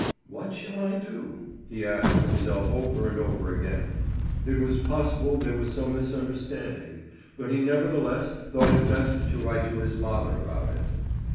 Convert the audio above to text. "What shall I do?" he asked himself over and over again. It was possible there was some misunderstanding, but he nevertheless thought it best to write to his father about it.